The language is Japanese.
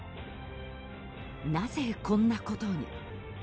なぜ、こんなことに？